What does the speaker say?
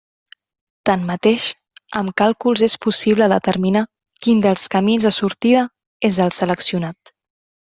Tanmateix, amb càlculs és possible determinar quin dels camins de sortida és el seleccionat.